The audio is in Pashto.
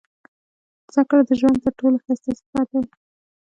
• زده کړه د ژوند تر ټولو ښایسته سفر دی.